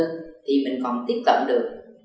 thì mình còn tiếp cận được